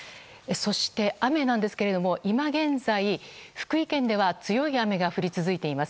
そして、雨なんですが今現在福井県では強い雨が降り続いています。